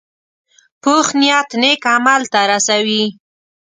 پوخ نیت نیک عمل ته رسوي